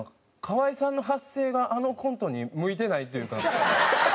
河井さんの発声があのコントに向いてないというか。